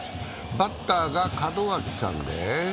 バッターが門脇さんね。